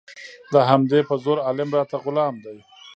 د همدې په زور عالم راته غلام دی